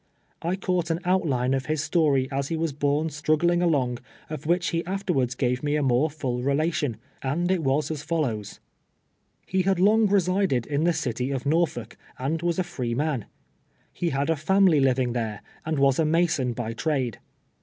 I caught an outline of his story as he was borne struggling along, of which he afterwards gave me a more full relation, and it was as follows : lie had long resided in the city of Xorfolk, and Avas a free num. He had a family living there, and was a mason by trade.